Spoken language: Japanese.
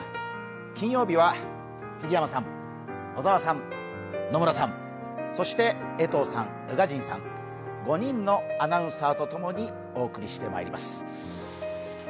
金曜日は杉山さん、小沢さん、野村さん、そして江藤さん、宇賀神さん、５人のアナウンサーとともにお送りしてまいります。